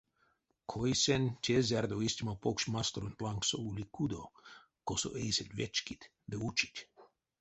Койсэнь, те зярдо истямо покш масторонть лангсо ули кудо, косо эйсэть вечкить ды учить.